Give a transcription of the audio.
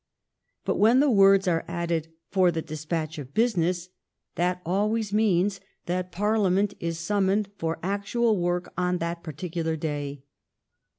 But when the words are added " for the despatch of business," that always means that Parliament is summoned for actual work on that particular day.